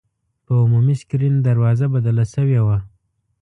په عمومي سکرین دروازه بدله شوې وه.